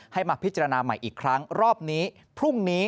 มาพิจารณาใหม่อีกครั้งรอบนี้พรุ่งนี้